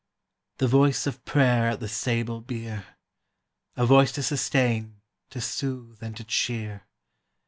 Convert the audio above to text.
The voice of prayer at the sable bier! A voice to sustain, to soothe, and to cheer.